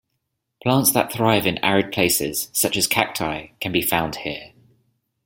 Plants that thrive in arid places, such as cacti, can be found here.